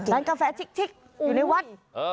ร้านกาแฟชิคอยู่ในวัด